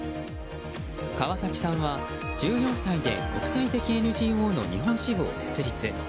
川崎さんは１４歳で国際的ＮＧＯの日本支部を設立。